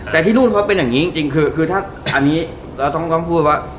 แต่ที่นู่นเขาเป็นอย่างนี้จริงคือถ้าอันนี้เราต้องพูดว่า